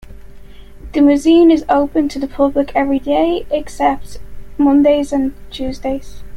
The museum is open to the public everyday except Mondays and Tuesdays.